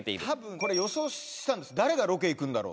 これ予想したんです誰がロケ行くんだろう？